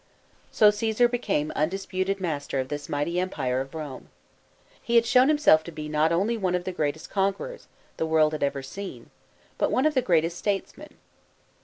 So Caesar became undisputed master of this mighty empire of Rome. He had shown himself to be, not only one of the greatest conquerors, the world had ever seen, but one of the greatest statesmen.